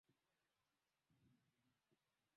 ifa ifuatayo inaelezea shughuli ya kuapishwa kwa rais huyo